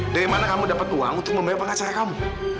dari mana kamu dapat uang untuk membayar pengacara kamu